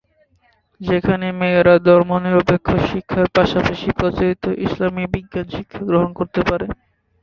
যেখানে মেয়েরা ধর্মনিরপেক্ষ শিক্ষার পাশাপাশি প্রচলিত ইসলামি বিজ্ঞান শিক্ষা গ্রহণ করতে পারে।